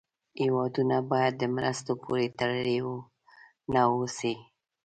هېوادونه باید د مرستو پورې تړلې و نه اوسي.